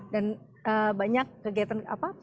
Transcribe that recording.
dan banyak kegiatan apa